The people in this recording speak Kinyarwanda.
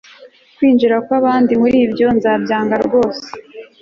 kwinjira kwabandi muri byo nzabyanga rwose